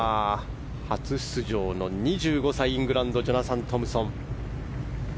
初出場の２５歳イングランドのジョナサン・トムソン。